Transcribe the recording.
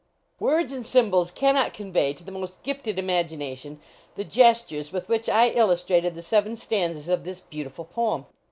Words and symbols can not convey to the most gifted imagination the gestures with which I illustrated the seven stanzas of this beautiful poem.